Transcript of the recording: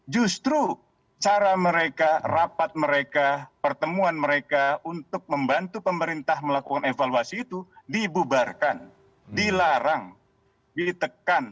justru cara mereka rapat mereka pertemuan mereka untuk membantu pemerintah melakukan evaluasi itu dibubarkan dilarang ditekan